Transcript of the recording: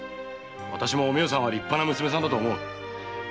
わたしもおみよさんは立派な娘さんと思う。